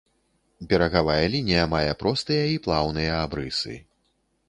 Берагавая лінія мае простыя і плаўныя абрысы.